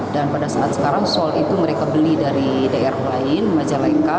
dan pada saat sekarang sol itu mereka beli dari daerah lain majalengka